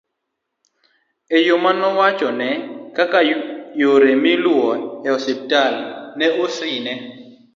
e yo nowachone kaka yore miluwo e ospital ne osine